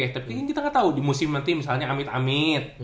tapi kita ga tau di musim penting misalnya amit amit